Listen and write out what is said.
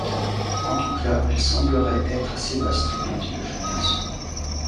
En tout cas, elle semblerait être assez vaste! répondit le jeune garçon.